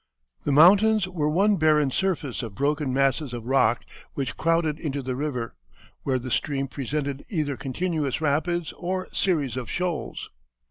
The mountains were one barren surface of broken masses of rock which crowded into the river, where the stream presented either continuous rapids or series of shoals.